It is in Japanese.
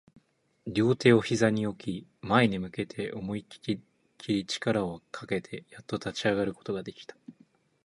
両手を膝に置き、前に向けて思いっきり力をかけて、やっと立ち上がることができた